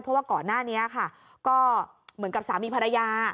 เพราะว่าก่อนหน้านี้ค่ะก็เหมือนกับสามีภรรยา